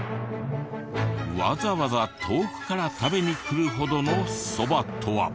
わざわざ遠くから食べに来るほどのそばとは？